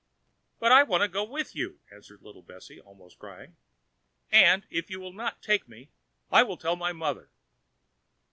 "But I want to go with you," answered little Bessy, almost crying; "and, if you will not take me, I will tell my mother."